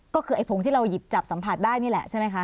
ก็คือไอ้ผงที่เราหยิบจับสัมผัสได้นี่แหละใช่ไหมคะ